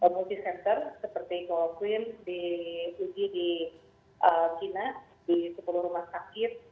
multi center seperti kloroquine di ug di china di sepuluh rumah sakit